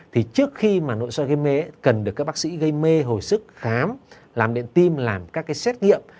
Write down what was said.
thì trước khi mà nội soi gây mê cần được các bác sĩ gây mê hồi sức khám làm điện tim làm các cái xét nghiệm